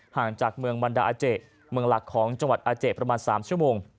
ห่างจากเมืองมันดาอาเจเมืองหลักของจังหวัดอาเจประมาณ๓ชั่วโมง